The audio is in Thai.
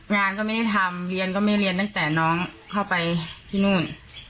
งานก็ไม่ได้ทำเรียนก็ไม่เรียนตั้งแต่น้องเข้าไปที่นู่น